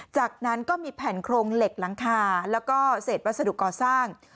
จากนั้นก็มีแผ่นโครงเหล็กหลังคาแล้วก็เศษวัสดุก่อสร้าง